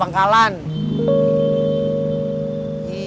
ya senang kandung jared